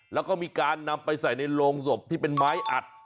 แล้วก็มีการนำไปใส่ในโรงศพที่เป็นไม้อัด